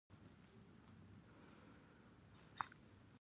ایا مصنوعي غاښونه لرئ؟